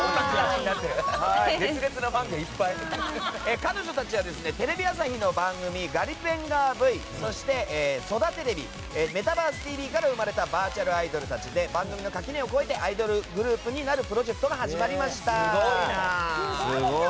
彼女たちはテレビ朝日の番組「ガリベンガーＶ」そして「そだてれび」「メタバースＴＶ！！」から生まれたバーチャルアイドルたちで番組の垣根を越えてアイドルグループになるプロジェクトが始まりました。